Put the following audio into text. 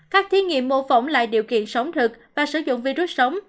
các thí nghiệm mô phỏng lại điều kiện sống thực và sử dụng virus sống